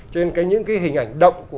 cho nên những hình ảnh động